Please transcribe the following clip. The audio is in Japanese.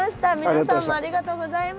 皆さんもありがとうございました。